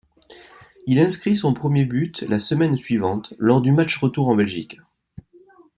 Il inscrit son premier but la semaine suivante lors du match retour en Belgique.